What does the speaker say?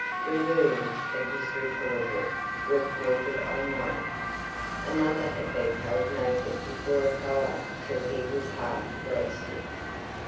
Dragoons, it was reported, were quartered on one. Another had been held naked before a fire till he was half roasted.